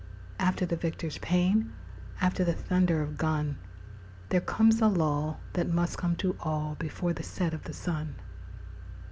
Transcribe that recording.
After the victor's pæan, After the thunder of gun, There comes a lull that must come to all Before the set of the sun.